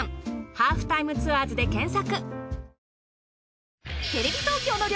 『ハーフタイムツアーズ』で検索。